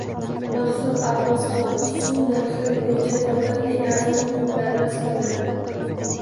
Maqsud Abbosxonov: Suv narxi bo‘yicha poytaxt eng arzon hududlardan hisoblanadi